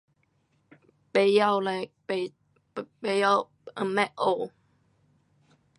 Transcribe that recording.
不知道不知道没有学